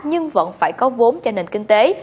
nhưng vẫn phải có vốn cho nền kinh tế